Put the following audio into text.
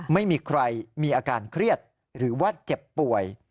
ไม่มีใครมีอาการเครียดหรือว่าเจ็บป่วย